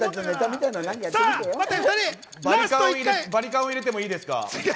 バリカンを入れてもいいですか？